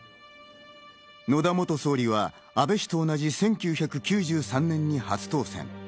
野田元総理は安倍氏と同じ１９９３年に初当選。